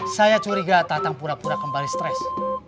saya curiga tatang pura pura kembali stres